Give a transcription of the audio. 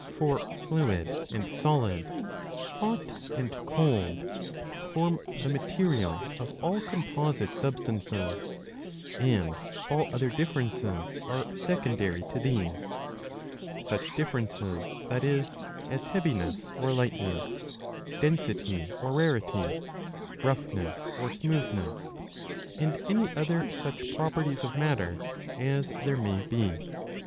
For fluid and solid, hot and cold, form the material of all composite substances ;* and all other differences are secondary to these, such differences, that is, as heaviness or lightness, density or rarity, roughness or smooth ness, and any other such properties of matter as there may be.